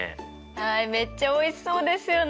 はいめっちゃおいしそうですよね！